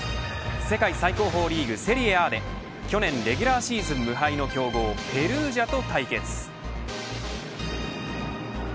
世界最高峰リーグ、セリエＡで去年レギュラーシーズン無敗の強豪ペルージャと対決。